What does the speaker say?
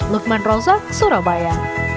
lukman rozak surabaya